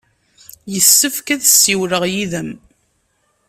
Yessefk ad ssiwleɣ yid-m.